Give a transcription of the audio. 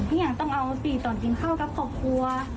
อย่างต้องเอาสิตอนกินข้าวกับครอบครัว